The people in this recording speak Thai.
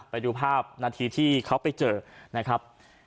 ไปดูภาพนาทีที่เขาไปเจอนะครับ